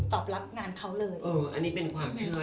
รับงานเขาเลยเอออันนี้เป็นความเชื่อ